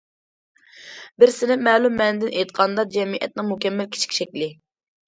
بىر سىنىپ مەلۇم مەنىدىن ئېيتقاندا، جەمئىيەتنىڭ مۇكەممەل كىچىك شەكلى.